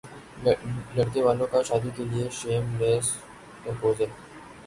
لڑکے والوں کا شادی کے لیےشیم لیس پرپوزل